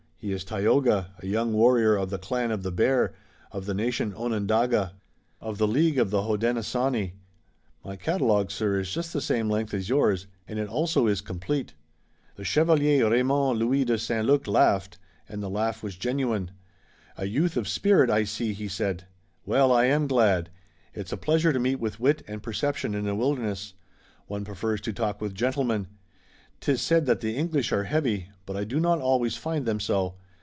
He is Tayoga, a young warrior of the clan of the Bear, of the nation Onondaga, of the League of the Hodenosaunee. My catalogue, sir, is just the same length as yours, and it also is complete." The Chevalier Raymond Louis de St. Luc laughed, and the laugh was genuine. "A youth of spirit, I see," he said. "Well, I am glad. It's a pleasure to meet with wit and perception in the wilderness. One prefers to talk with gentlemen. 'Tis said that the English are heavy, but I do not always find them so.